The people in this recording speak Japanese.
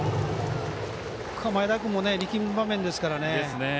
前田君も力む場面ですから。